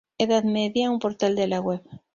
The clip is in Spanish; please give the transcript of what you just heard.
Edad Media", un portal de la web.